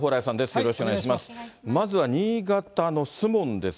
よろしくお願いします。